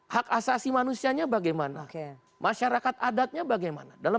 hak asasi manusianya bagaimana masyarakat adatnya bagaimana dalam